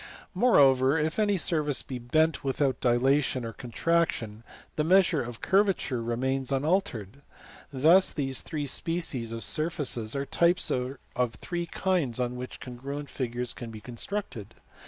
Moreover, if any surface be bent without dilation or contraction, the measure of curvature remains unaltered. Thus these three species of surfaces are types of three kinds on which congruent figures can be constructed.